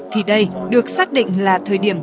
thì đây được xác định là thời điểm